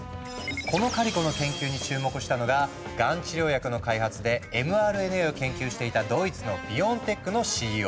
このカリコの研究に注目したのががん治療薬の開発でｍＲＮＡを研究していたドイツのビオンテックのＣＥＯ。